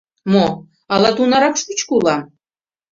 Мо, ала тунарак шучко улам?